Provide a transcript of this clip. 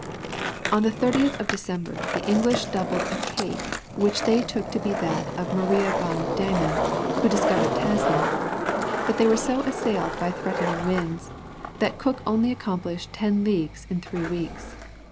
On the 30th of December the English doubled a cape which they took to be that of Maria Van Diemen, discovered by Tasman, but they were so assailed by threatening winds, that Cook only accomplished ten leagues in three weeks.